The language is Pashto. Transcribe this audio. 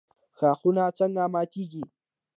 ښاخونه څنګه ماتیږي؟